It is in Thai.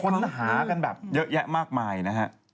ค้นหากันแบบเยอะแยะมากมายนะฮะ